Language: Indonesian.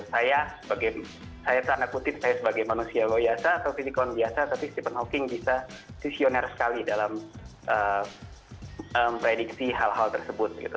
saya sebagai manusia loyasa atau fisikawan biasa tapi stephen hawking bisa visioner sekali dalam prediksi hal hal tersebut gitu